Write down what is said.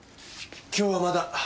今日はまだ。